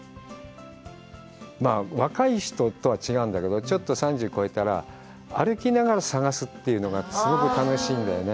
若い人とは違うんだけど、ちょっと３０超えたら、歩きながら探すというのがすごく楽しいんだよね。